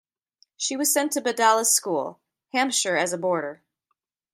She was sent to Bedales School, Hampshire as a boarder.